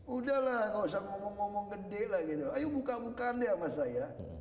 udah lah nggak usah ngomong ngomong gede lagi ayo buka bukaan ya mas saya